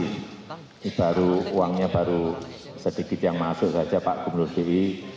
ini baru uangnya baru sedikit yang masuk saja pak gubernur sendiri